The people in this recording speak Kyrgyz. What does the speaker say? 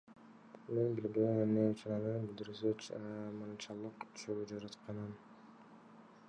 Мен билбейм эмне үчүн анын билдирүүсү мынчалык чуу жаратканын.